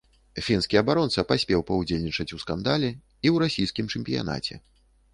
Фінскі абаронца паспеў паўдзельнічаць у скандале і ў расійскім чэмпіянаце.